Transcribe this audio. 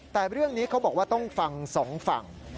แต่เรื่องนี้เขาบอกว่าต้องฟังสองฝั่ง